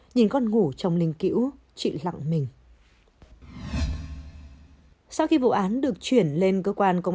nhìn con ngủ trong linh cữu chị lặng mình sau khi vụ án được chuyển lên cơ quan công an